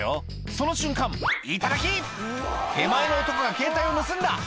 その瞬間「頂き！」手前の男がケータイを盗んだ！